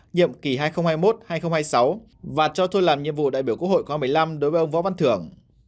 nhiệm kỳ hai nghìn hai mươi một hai nghìn hai mươi sáu và cho thôi làm nhiệm vụ đại biểu quốc hội khóa một mươi năm đối với ông võ văn thưởng